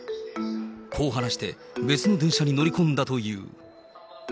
こう話して、別の電車に乗り込んだという。